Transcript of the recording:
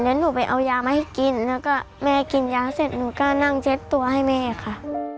แล้วหนูไปเอายามาให้กินแล้วก็แม่กินยาเสร็จหนูก็นั่งเช็ดตัวให้แม่ค่ะ